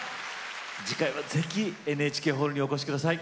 次回はぜひＮＨＫホールにお越しください。